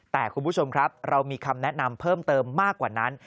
แต่คุณผู้ชมครับเรามีคำแนะนำเพิ่มเติมมากกว่านั้น